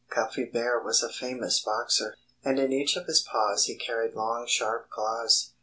Cuffy Bear was a famous boxer. And in each of his paws he carried long sharp claws.